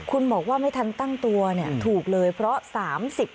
คุณบอกว่าไม่ทันตั้งตัวเนี่ยถูกเลยเพราะ๓๐